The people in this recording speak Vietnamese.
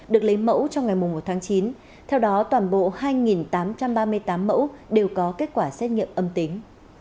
được lấy mẫu trong ngày một tháng chín theo đó toàn bộ hai tám trăm ba mươi tám mẫu đều có kết quả xét nghiệm âm tính